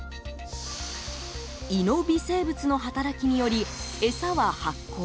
胃の微生物の働きにより餌は発酵。